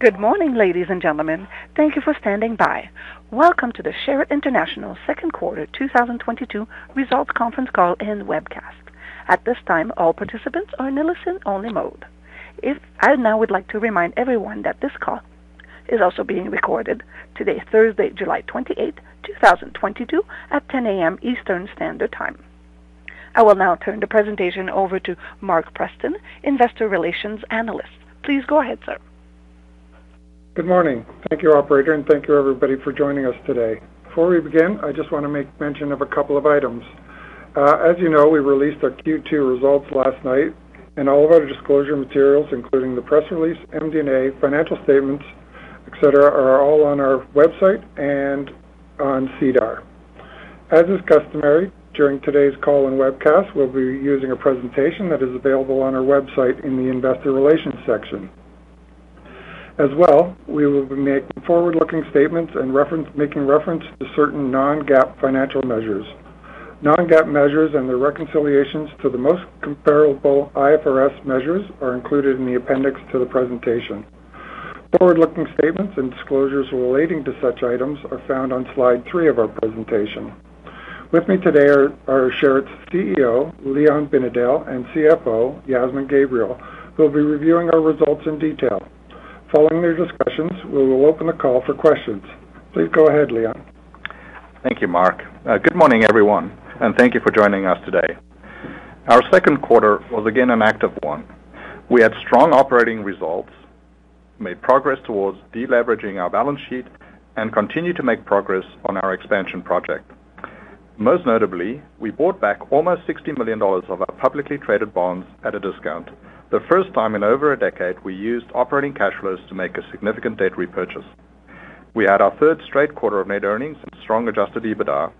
Good morning, ladies and gentlemen. Thank you for standing by. Welcome to the Sherritt International second quarter 2022 results conference call and webcast. At this time, all participants are in listen-only mode. I now would like to remind everyone that this call is also being recorded today, Thursday, July 28, 2022, at 10:00 A.M. Eastern Standard Time. I will now turn the presentation over to Mark Preston, investor relations analyst. Please go ahead, sir. Good morning. Thank you, operator, and thank you everybody for joining us today. Before we begin, I just wanna make mention of a couple of items. As you know, we released our Q2 results last night, and all of our disclosure materials, including the press release, MD&A, financial statements, et cetera, are all on our website and on SEDAR. As is customary, during today's call and webcast, we'll be using a presentation that is available on our website in the investor relations section. As well, we will be making forward-looking statements and making reference to certain non-GAAP financial measures. Non-GAAP measures and the reconciliations to the most comparable IFRS measures are included in the appendix to the presentation. Forward-looking statements and disclosures relating to such items are found on slide three of our presentation. With me today are Sherritt's CEO, Leon Binedell, and CFO, Yasmin Gabriel, who will be reviewing our results in detail. Following their discussions, we will open the call for questions. Please go ahead, Leon. Thank you, Mark. Good morning, everyone, and thank you for joining us today. Our second quarter was again an active one. We had strong operating results, made progress towards deleveraging our balance sheet, and continued to make progress on our expansion project. Most notably, we bought back almost $60 million of our publicly traded bonds at a discount. The first time in over a decade, we used operating cash flows to make a significant debt repurchase. We had our third straight quarter of net earnings and strong adjusted EBITDA.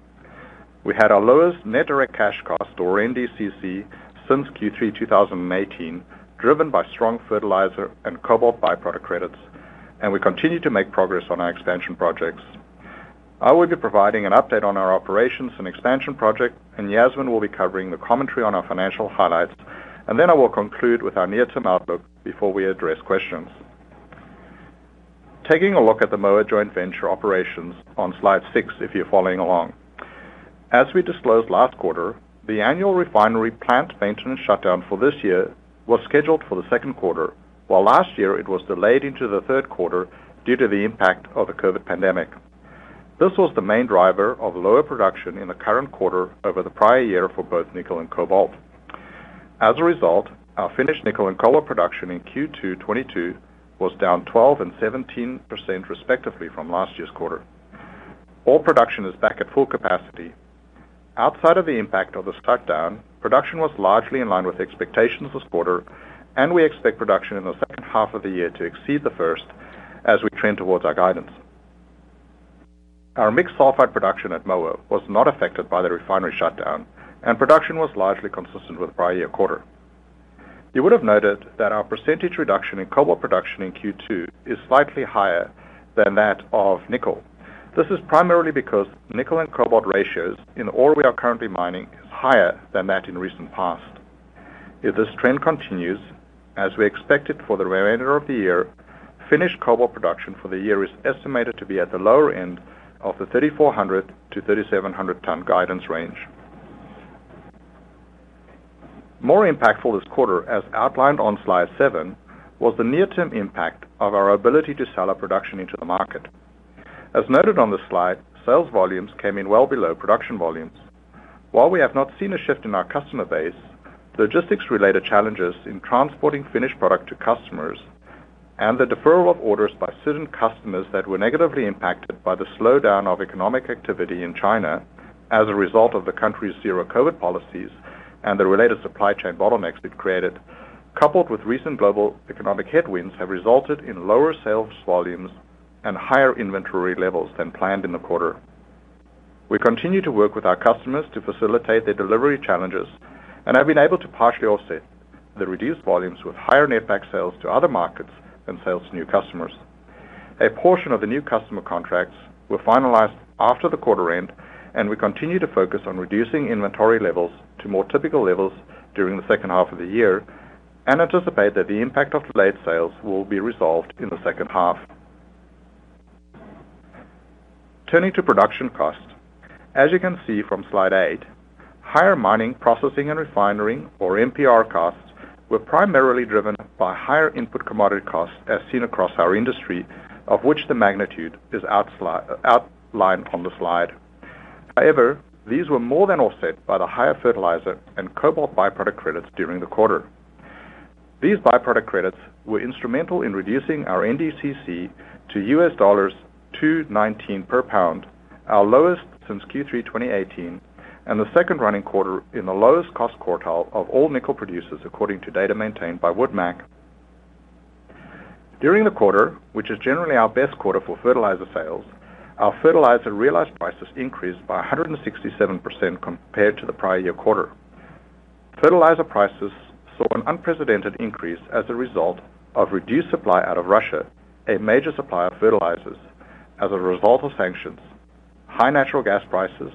We had our lowest net direct cash cost or NDCC since Q3 2018, driven by strong fertilizer and cobalt byproduct credits, and we continued to make progress on our expansion projects. I will be providing an update on our operations and expansion project, and Yasmin will be covering the commentary on our financial highlights. I will conclude with our near-term outlook before we address questions. Taking a look at the Moa Joint Venture operations on slide six, if you're following along. As we disclosed last quarter, the annual refinery plant maintenance shutdown for this year was scheduled for the second quarter, while last year it was delayed into the third quarter due to the impact of the COVID pandemic. This was the main driver of lower production in the current quarter over the prior year for both nickel and cobalt. As a result, our finished nickel and cobalt production in Q2 2022 was down 12% and 17% respectively from last year's quarter. All production is back at full capacity. Outside of the impact of the shutdown, production was largely in line with expectations this quarter, and we expect production in the second half of the year to exceed the first as we trend towards our guidance. Our mixed sulfide production at Moa was not affected by the refinery shutdown, and production was largely consistent with the prior year quarter. You would have noted that our percentage reduction in cobalt production in Q2 is slightly higher than that of nickel. This is primarily because nickel and cobalt ratios in the ore we are currently mining is higher than that in recent past. If this trend continues, as we expected for the remainder of the year, finished cobalt production for the year is estimated to be at the lower end of the 3,400-3,700 ton guidance range. More impactful this quarter, as outlined on slide 7, was the near-term impact of our ability to sell our production into the market. As noted on the slide, sales volumes came in well below production volumes. While we have not seen a shift in our customer base, logistics-related challenges in transporting finished product to customers and the deferral of orders by certain customers that were negatively impacted by the slowdown of economic activity in China as a result of the country's zero-COVID policies and the related supply chain bottlenecks it created, coupled with recent global economic headwinds, have resulted in lower sales volumes and higher inventory levels than planned in the quarter. We continue to work with our customers to facilitate their delivery challenges and have been able to partially offset the reduced volumes with higher netback sales to other markets and sales to new customers. A portion of the new customer contracts were finalized after the quarter end, and we continue to focus on reducing inventory levels to more typical levels during the second half of the year and anticipate that the impact of delayed sales will be resolved in the second half. Turning to production costs. As you can see from slide 8, higher mining, processing, and refinery, or MPR costs, were primarily driven by higher input commodity costs as seen across our industry, of which the magnitude is outlined on the slide. However, these were more than offset by the higher fertilizer and cobalt byproduct credits during the quarter. These byproduct credits were instrumental in reducing our NDCC to $2.19 per pound, our lowest since Q3 2018, and the second running quarter in the lowest cost quartile of all nickel producers, according to data maintained by WoodMac. During the quarter, which is generally our best quarter for fertilizer sales, our fertilizer realized prices increased by 167% compared to the prior year quarter. Fertilizer prices saw an unprecedented increase as a result of reduced supply out of Russia, a major supplier of fertilizers, as a result of sanctions, high natural gas prices,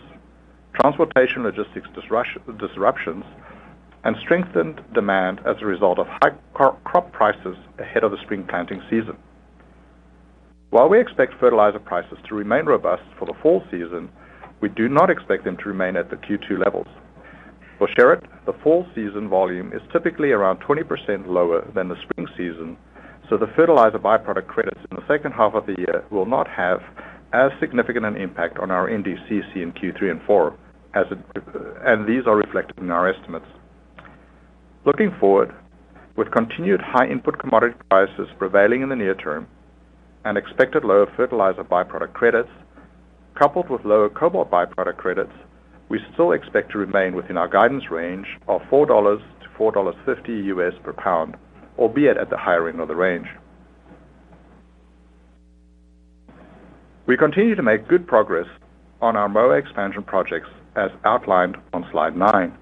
transportation logistics disruptions and strengthened demand as a result of high crop prices ahead of the spring planting season. While we expect fertilizer prices to remain robust for the fall season, we do not expect them to remain at the Q2 levels. For Sherritt, the fall season volume is typically around 20% lower than the spring season, so the fertilizer byproduct credits in the second half of the year will not have as significant an impact on our NDCC in Q3 and Q4 as it, and these are reflected in our estimates. Looking forward, with continued high input commodity prices prevailing in the near term and expected lower fertilizer byproduct credits, coupled with lower cobalt byproduct credits, we still expect to remain within our guidance range of $4-$4.50 US per pound, albeit at the higher end of the range. We continue to make good progress on our Moa Expansion projects as outlined on slide 9.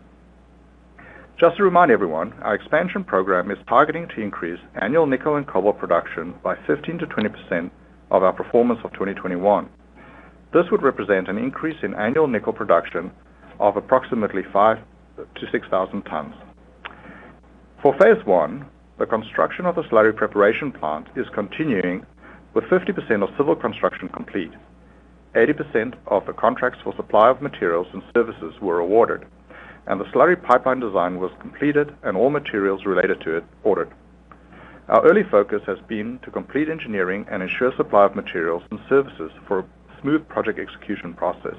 Just to remind everyone, our expansion program is targeting to increase annual nickel and cobalt production by 15%-20% of our performance of 2021. This would represent an increase in annual nickel production of approximately 5,000-6,000 tons. For phase one, the construction of the slurry preparation plant is continuing with 50% of civil construction complete. 80% of the contracts for supply of materials and services were awarded, and the slurry pipeline design was completed and all materials related to it ordered. Our early focus has been to complete engineering and ensure supply of materials and services for a smooth project execution process.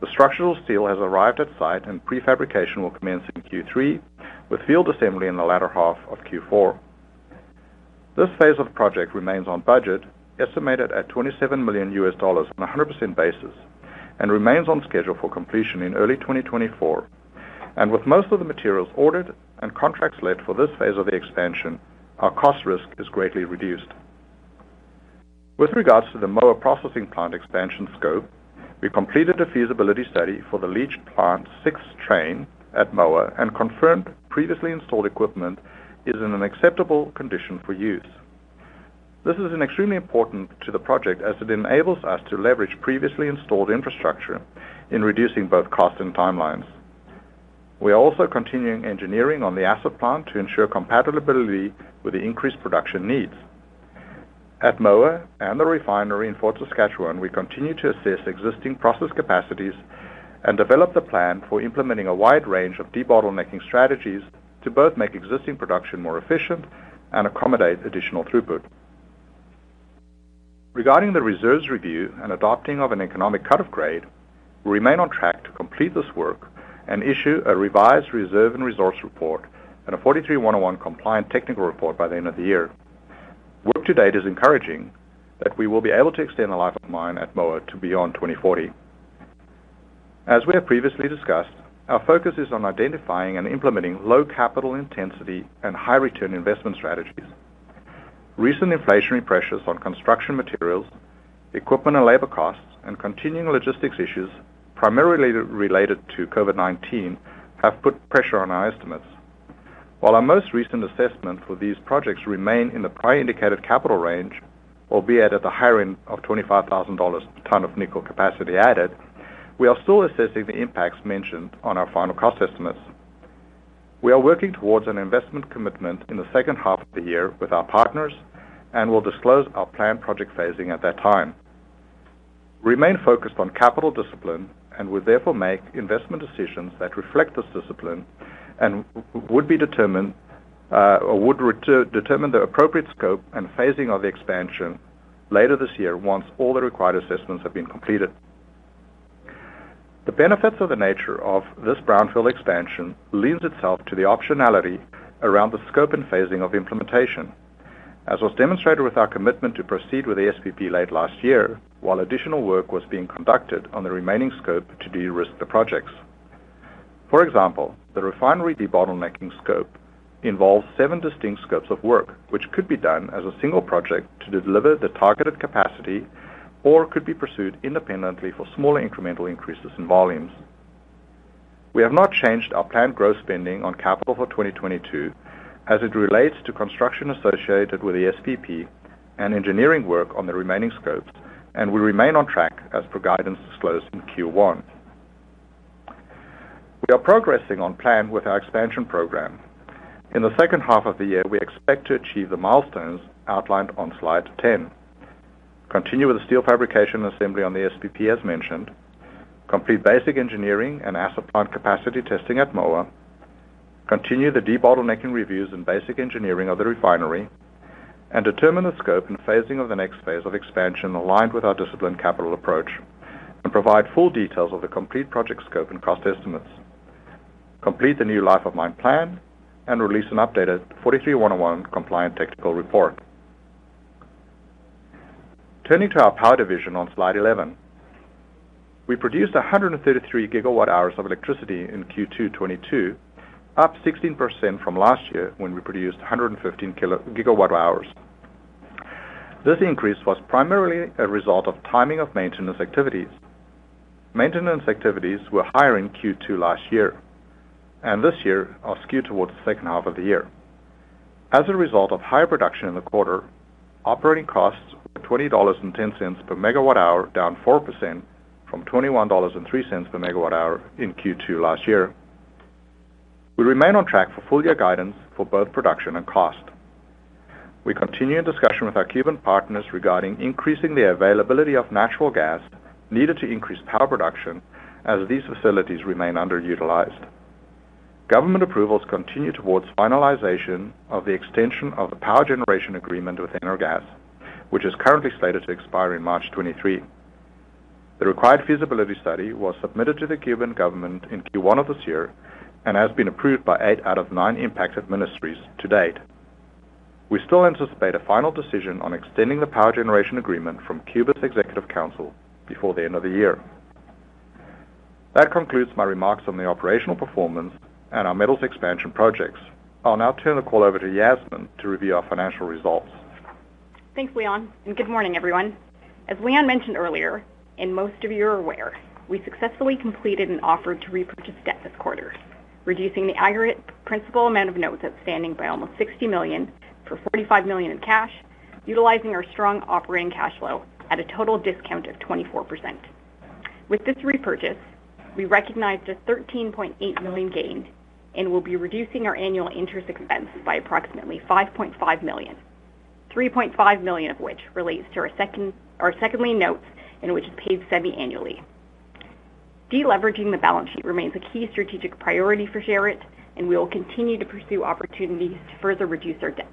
The structural steel has arrived at site and prefabrication will commence in Q3 with field assembly in the latter half of Q4. This phase of the project remains on budget, estimated at $27 million on a 100% basis, and remains on schedule for completion in early 2024. With most of the materials ordered and contracts let for this phase of the expansion, our cost risk is greatly reduced. With regards to the Moa processing plant expansion scope, we completed a feasibility study for the leach plant sixth train at Moa and confirmed previously installed equipment is in an acceptable condition for use. This is an extremely important to the project as it enables us to leverage previously installed infrastructure in reducing both cost and timelines. We are also continuing engineering on the acid plant to ensure compatibility with the increased production needs. At Moa and the refinery in Fort Saskatchewan, we continue to assess existing process capacities and develop the plan for implementing a wide range of debottlenecking strategies to both make existing production more efficient and accommodate additional throughput. Regarding the reserves review and adopting of an economic cut-off grade, we remain on track to complete this work and issue a revised reserve and resource report and a NI 43-101 compliant technical report by the end of the year. Work to date is encouraging that we will be able to extend the life of mine at Moa to beyond 2040. As we have previously discussed, our focus is on identifying and implementing low capital intensity and high return investment strategies. Recent inflationary pressures on construction materials, equipment and labor costs, and continuing logistics issues primarily related to COVID-19 have put pressure on our estimates. While our most recent assessment for these projects remain in the prior indicated capital range, albeit at the higher end of $25,000/ton of nickel capacity added, we are still assessing the impacts mentioned on our final cost estimates. We are working towards an investment commitment in the second half of the year with our partners and will disclose our planned project phasing at that time. We remain focused on capital discipline and will therefore make investment decisions that reflect this discipline and would be determined or would re-determine the appropriate scope and phasing of the expansion later this year once all the required assessments have been completed. The benefits of the nature of this brownfield expansion lends itself to the optionality around the scope and phasing of implementation. As was demonstrated with our commitment to proceed with the SPP late last year, while additional work was being conducted on the remaining scope to de-risk the projects. For example, the refinery debottlenecking scope involves 7 distinct scopes of work, which could be done as a single project to deliver the targeted capacity or could be pursued independently for smaller incremental increases in volumes. We have not changed our planned growth spending on capital for 2022 as it relates to construction associated with the SPP and engineering work on the remaining scopes, and we remain on track as per guidance disclosed in Q1. We are progressing on plan with our expansion program. In the second half of the year, we expect to achieve the milestones outlined on slide 10. Continue with the steel fabrication assembly on the SPP as mentioned, complete basic engineering and asset plant capacity testing at Moa, continue the debottlenecking reviews and basic engineering of the refinery, and determine the scope and phasing of the next phase of expansion aligned with our disciplined capital approach, and provide full details of the complete project scope and cost estimates. Complete the new life of mine plan and release an updated NI 43-101 compliant technical report. Turning to our power division on slide 11. We produced 133 GWh of electricity in Q2 2022, up 16% from last year when we produced 115 GWh. This increase was primarily a result of timing of maintenance activities. Maintenance activities were higher in Q2 last year, and this year are skewed towards the second half of the year. As a result of higher production in the quarter, operating costs were 20.10 dollars per megawatt hour, down 4% from 21.03 dollars per megawatt hour in Q2 last year. We remain on track for full year guidance for both production and cost. We continue in discussion with our Cuban partners regarding increasing the availability of natural gas needed to increase power production as these facilities remain underutilized. Government approvals continue towards finalization of the extension of the power generation agreement with Energas, which is currently slated to expire in March 2023. The required feasibility study was submitted to the Cuban government in Q1 of this year and has been approved by 8 out of 9 impacted ministries to date. We still anticipate a final decision on extending the power generation agreement from Cuba's Council of Ministers before the end of the year. That concludes my remarks on the operational performance and our metals expansion projects. I'll now turn the call over to Yasmin to review our financial results. Thanks, Leon, and good morning, everyone. As Leon mentioned earlier, and most of you are aware, we successfully completed an offer to repurchase debt this quarter, reducing the aggregate principal amount of notes outstanding by almost 60 million for 45 million in cash, utilizing our strong operating cash flow at a total discount of 24%. With this repurchase, we recognized a 13.8 million gain and will be reducing our annual interest expense by approximately 5.5 million, 3.5 million of which relates to our second lien notes, which is paid semi-annually. Deleveraging the balance sheet remains a key strategic priority for Sherritt, and we will continue to pursue opportunities to further reduce our debt.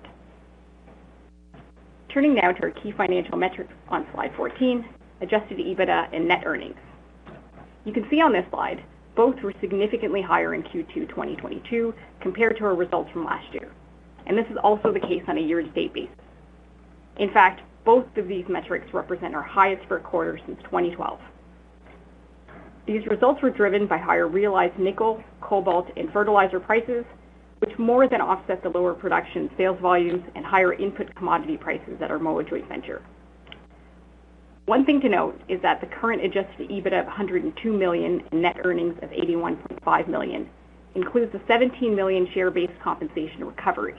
Turning now to our key financial metrics on slide 14, adjusted EBITDA and net earnings. You can see on this slide both were significantly higher in Q2 2022 compared to our results from last year. This is also the case on a year-to-date basis. In fact, both of these metrics represent our highest for a quarter since 2012. These results were driven by higher realized nickel, cobalt, and fertilizer prices, which more than offset the lower production sales volumes and higher input commodity prices at our Moa Joint Venture. One thing to note is that the current adjusted EBITDA of 102 million net earnings of 81.5 million includes the 17 million share-based compensation recovery.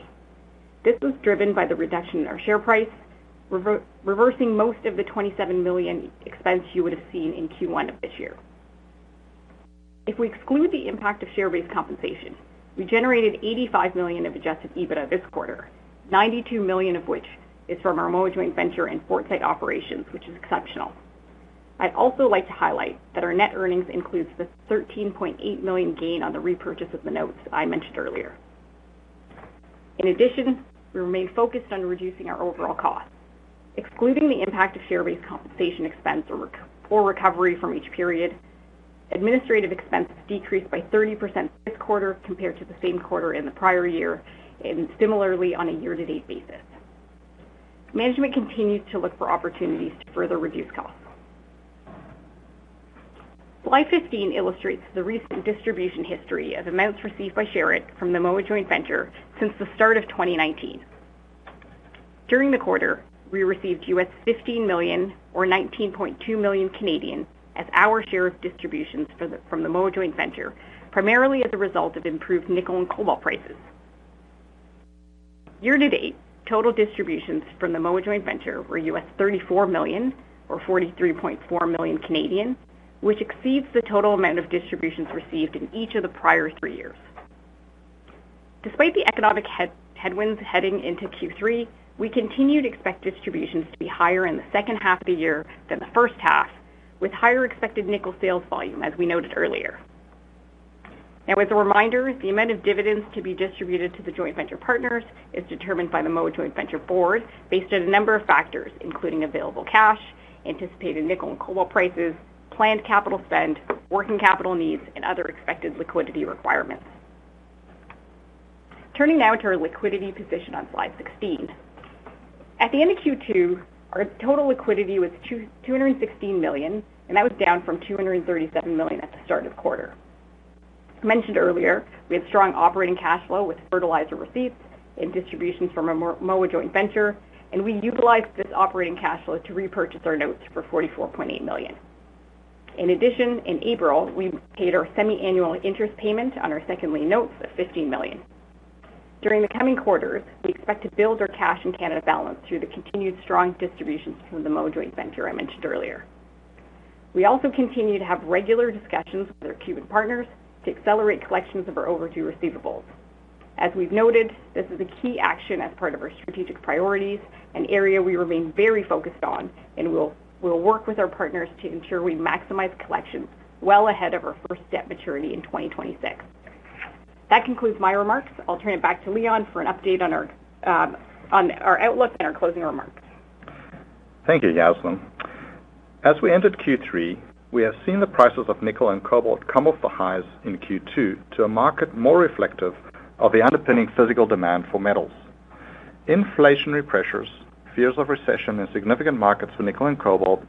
This was driven by the reduction in our share price, reversing most of the 27 million expense you would have seen in Q1 of this year. If we exclude the impact of share-based compensation, we generated 85 million of adjusted EBITDA this quarter, 92 million of which is from our Moa Joint Venture and Fort Saskatchewan operations, which is exceptional. I'd also like to highlight that our net earnings includes the 13.8 million gain on the repurchase of the notes I mentioned earlier. In addition, we remain focused on reducing our overall cost. Excluding the impact of share-based compensation expense or recovery from each period, administrative expenses decreased by 30% this quarter compared to the same quarter in the prior year, and similarly on a year-to-date basis. Management continues to look for opportunities to further reduce costs. Slide 15 illustrates the recent distribution history of amounts received by Sherritt from the Moa Joint Venture since the start of 2019. During the quarter, we received $15 million or 19.2 million Canadian dollars as our share of distributions from the Moa Joint Venture, primarily as a result of improved nickel and cobalt prices. Year-to-date, total distributions from the Moa Joint Venture were $34 million or 43.4 million, which exceeds the total amount of distributions received in each of the prior three years. Despite the economic headwinds heading into Q3, we continue to expect distributions to be higher in the second half of the year than the first half, with higher expected nickel sales volume, as we noted earlier. Now, as a reminder, the amount of dividends to be distributed to the joint venture partners is determined by the Moa Joint Venture board based on a number of factors, including available cash, anticipated nickel and cobalt prices, planned capital spend, working capital needs, and other expected liquidity requirements. Turning now to our liquidity position on slide 16. At the end of Q2, our total liquidity was 216 million, and that was down from 237 million at the start of quarter. Mentioned earlier, we have strong operating cash flow with fertilizer receipts and distributions from our Moa Joint Venture, and we utilized this operating cash flow to repurchase our notes for 44.8 million. In addition, in April, we paid our semi-annual interest payment on our second lien notes of 15 million. During the coming quarters, we expect to build our cash balance in Canada through the continued strong distributions from the Moa Joint Venture I mentioned earlier. We also continue to have regular discussions with our Cuban partners to accelerate collections of our overdue receivables. As we've noted, this is a key action as part of our strategic priorities, an area we remain very focused on, and we'll work with our partners to ensure we maximize collections well ahead of our first debt maturity in 2026. That concludes my remarks. I'll turn it back to Leon for an update on our outlook and our closing remarks. Thank you, Yasmin. As we entered Q3, we have seen the prices of nickel and cobalt come off the highs in Q2 to a market more reflective of the underpinning physical demand for metals. Inflationary pressures, fears of recession in significant markets for nickel and cobalt,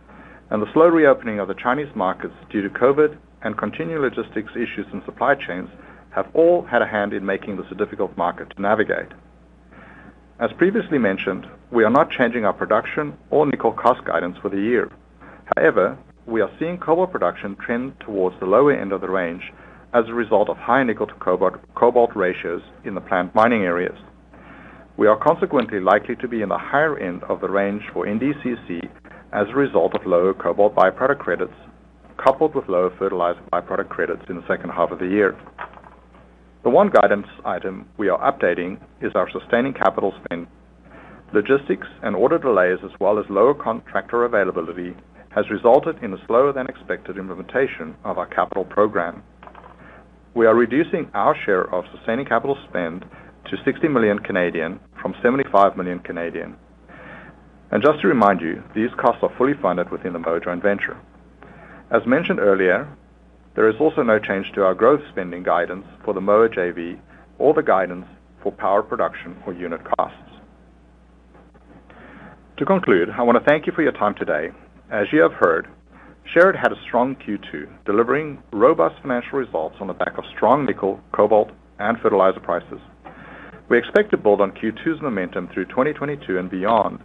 and the slow reopening of the Chinese markets due to COVID and continued logistics issues and supply chains have all had a hand in making this a difficult market to navigate. As previously mentioned, we are not changing our production or nickel cost guidance for the year. However, we are seeing cobalt production trend towards the lower end of the range as a result of high nickel-to-cobalt ratios in the plant mining areas. We are consequently likely to be in the higher end of the range for NDCC as a result of lower cobalt byproduct credits, coupled with lower fertilizer byproduct credits in the second half of the year. The one guidance item we are updating is our sustaining capital spend. Logistics and order delays as well as lower contractor availability has resulted in a slower than expected implementation of our capital program. We are reducing our share of sustaining capital spend to 60 million from 75 million. Just to remind you, these costs are fully funded within the Moa venture. As mentioned earlier, there is also no change to our growth spending guidance for the Moa JV or the guidance for power production or unit costs. To conclude, I wanna thank you for your time today. As you have heard, Sherritt had a strong Q2, delivering robust financial results on the back of strong nickel, cobalt, and fertilizer prices. We expect to build on Q2's momentum through 2022 and beyond.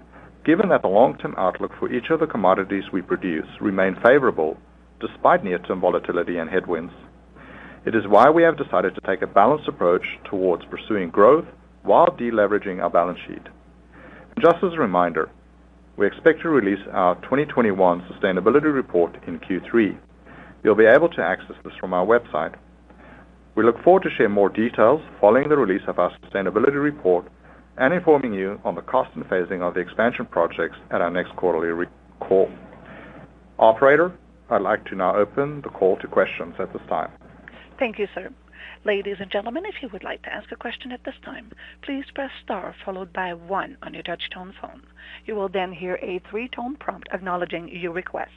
Given that the long-term outlook for each of the commodities we produce remain favorable despite near-term volatility and headwinds, it is why we have decided to take a balanced approach towards pursuing growth while de-leveraging our balance sheet. Just as a reminder, we expect to release our 2021 sustainability report in Q3. You'll be able to access this from our website. We look forward to share more details following the release of our sustainability report and informing you on the cost and phasing of the expansion projects at our next quarterly call. Operator, I'd like to now open the call to questions at this time. Thank you, sir. Ladies and gentlemen, if you would like to ask a question at this time, please press star followed by one on your touch tone phone. You will then hear a three-tone prompt acknowledging your request.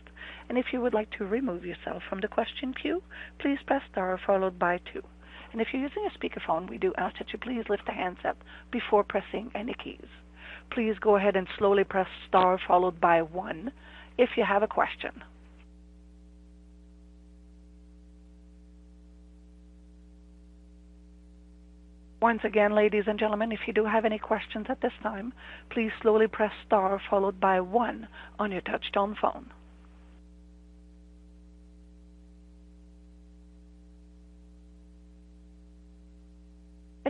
If you would like to remove yourself from the question queue, please press star followed by two. If you're using a speakerphone, we do ask that you please lift the handset before pressing any keys. Please go ahead and slowly press star followed by one if you have a question. Once again, ladies and gentlemen, if you do have any questions at this time, please slowly press star followed by one on your touch tone phone.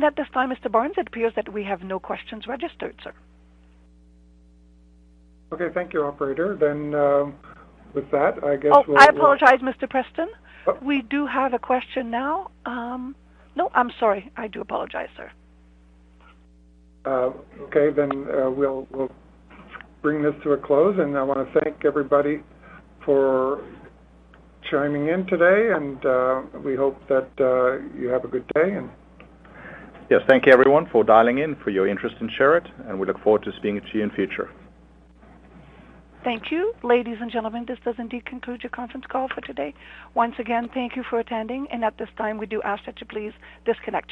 At this time, Mark Preston, it appears that we have no questions registered, sir. Okay. Thank you, operator. With that, I guess we'll. Oh, I apologize, Mr. Preston. Oh. We do have a question now. No, I'm sorry. I do apologize, sir. Okay. We'll bring this to a close, and I wanna thank everybody for chiming in today, and we hope that you have a good day. Yes, thank you everyone for dialing in, for your interest in Sherritt, and we look forward to speaking to you in future. Thank you. Ladies and gentlemen, this does indeed conclude your conference call for today. Once again, thank you for attending, and at this time we do ask that you please disconnect your lines.